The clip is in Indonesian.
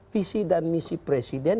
visi dan misi presiden